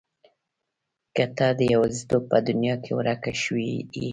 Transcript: که ته د يوازيتوب په دنيا کې ورکه شوې يې.